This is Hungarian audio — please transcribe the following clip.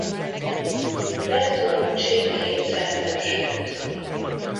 Bertolucci kétszer nősült.